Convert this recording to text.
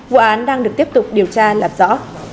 vụ án đang được tiếp tục điều tra lạp rõ